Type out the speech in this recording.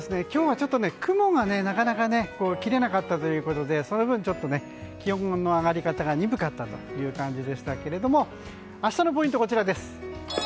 今日はちょっと雲がなかなか切れなかったということでその分、気温の上がり方が鈍かった感じでしたけども明日のポイントはこちらです。